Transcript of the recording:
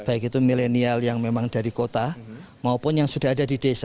baik itu milenial yang memang dari kota maupun yang sudah ada di desa